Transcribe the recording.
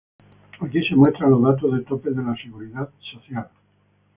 Aquí se muestran los datos de topes de la Seguridad Social.